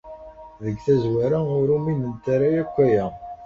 Deg tazwara, ur uminent ara akk aya.